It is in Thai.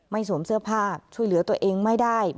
สวมเสื้อผ้าช่วยเหลือตัวเองไม่ได้